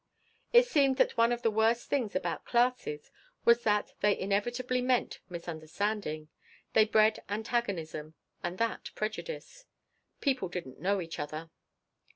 It seemed that one of the worst things about "classes" was that they inevitably meant misunderstanding. They bred antagonism, and that prejudice. People didn't know each other.